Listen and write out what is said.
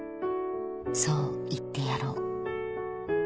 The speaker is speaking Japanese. ［そう言ってやろう］